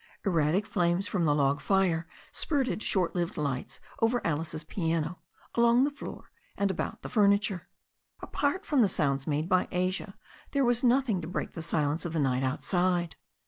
Erratic flames from the log fire spurted short lived lights over Alice's piano, along the floor, and about the furniture. Apart from the sounds made by Asia there was nothing to break the silence of the night outside.